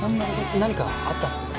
何かあったんですか？